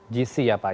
gc ya pak